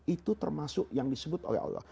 itu termasuk yang disebut oleh allah